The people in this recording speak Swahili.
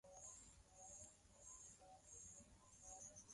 ayofanyika januari tisa mwakani